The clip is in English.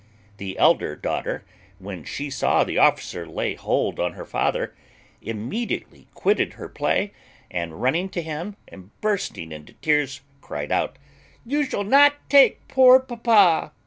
The elder daughter, when she saw the officer lay hold on her father, immediately quitted her play, and, running to him and bursting into tears, cried out, "You shall not hurt poor papa."